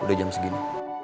udah jam segini